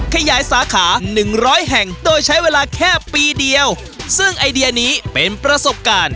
ขยายสาขาหนึ่งร้อยแห่งโดยใช้เวลาแค่ปีเดียวซึ่งไอเดียนี้เป็นประสบการณ์